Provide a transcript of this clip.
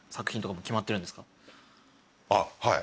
あっはい。